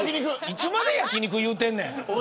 いつまで焼肉言うてんねん。